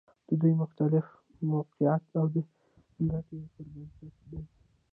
د دوی مخالفت موقعتي او د ګټې پر بنسټ دی.